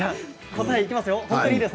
答え、いきますよ。